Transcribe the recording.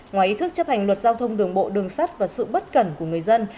ngoài ý thức chấp hành luật giao thông đường bộ đường sắt và sự bất cẩn của người dân